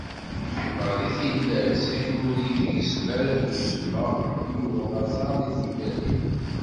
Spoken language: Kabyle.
Keččmeɣ deg tillas akken ur iyi-tgezzem ara tuzzma i yuɣen aẓar deg timmad-iw.